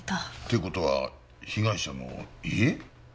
という事は被害者の家？